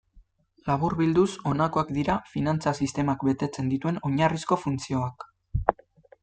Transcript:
Laburbilduz honakoak dira finantza-sistemak betetzen dituen oinarrizko funtzioak.